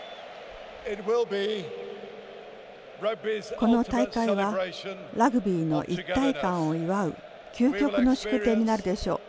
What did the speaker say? この大会はラグビーの一体感を祝う究極の祝典になるでしょう。